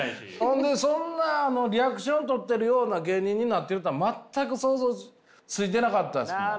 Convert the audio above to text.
ほんでそんなリアクション取ってるような芸人になってるとは全く想像ついてなかったですもん。